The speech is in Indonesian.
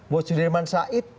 buas judirman said